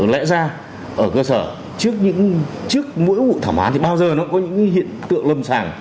lẽ ra ở cơ sở trước những trước mỗi vụ thảm hán thì bao giờ nó có những hiện tượng lâm sàng